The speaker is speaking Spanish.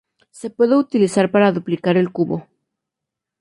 Se puede utilizar para duplicar el cubo.